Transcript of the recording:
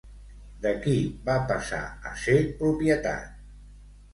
De qui va passar a ser propietat?